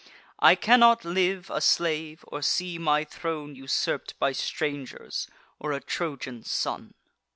I cannot live a slave, or see my throne Usurp'd by strangers or a Trojan son."